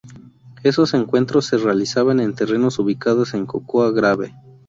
Esos encuentros se realizaban en terrenos ubicados en Cocoa Grave.